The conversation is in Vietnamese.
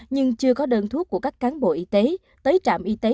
nhưng chưa có đơn thuốc của các cán bộ y tế tới trạm y tế